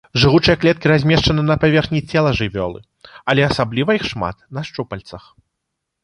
Жыгучыя клеткі размешчаны на паверхні цела жывёлы, але асабліва іх шмат на шчупальцах.